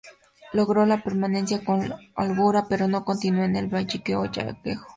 Logró la permanencia con holgura, pero no continuó en el banquillo gallego.